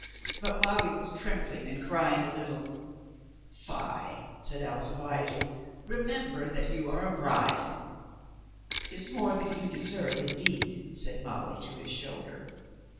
But Molly was trembling and crying a little. "Fie," said Alcibiade. "Remember that you are a bride." " 'Tis more than you deserve, indeed," said Molly to his shoulder.